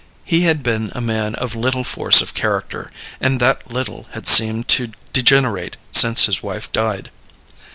He had been a man of little force of character, and that little had seemed to degenerate since his wife died.